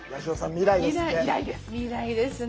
未来ですね。